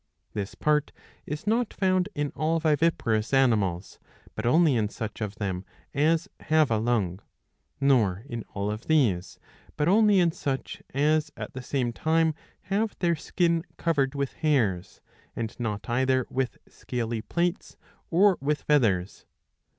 This part is not found in all viviparous animals, but only in such of them as have a lung; nor in all of these, but only in such as at the same time have their skin covered with hairs, and not either with scaly plates or with feathers.